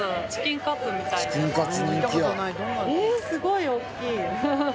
えっすごい大きい。